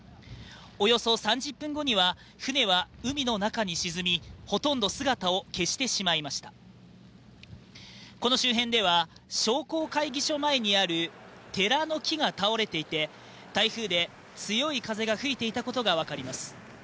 およそ３０分後には船は海の中に沈みほとんど姿を消してしまいましたこの周辺では商工会議所前にある寺の木が倒れていて台風で強い風が吹いていたことが分かります